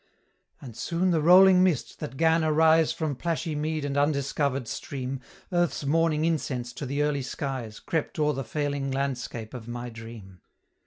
And soon the rolling mist, that 'gan arise From plashy mead and undiscover'd stream, Earth's morning incense to the early skies, Crept o'er the failing landscape of my dream.